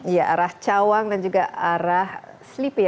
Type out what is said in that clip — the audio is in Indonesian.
iya arah cawang dan juga arah slippy